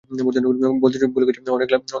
বলতে ভুলে গেছি, অনেক ভালো বলতে পারে।